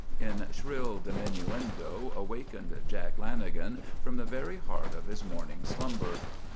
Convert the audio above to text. in shrill diminuendo awakened Jack Lanagan from the very heart of his morning slumber.